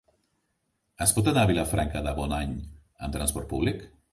Es pot anar a Vilafranca de Bonany amb transport públic?